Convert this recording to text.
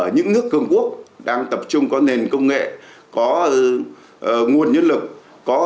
những nước cường quốc đang tập trung có nền công nghệ có nguồn nhân lực có